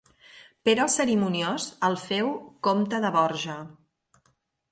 Pere el Cerimoniós el féu comte de Borja.